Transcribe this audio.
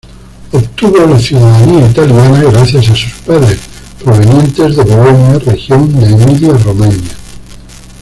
Obtuvo la ciudadanía italiana gracias a sus padres, provenientes de Bolonia, región de Emilia-Romaña.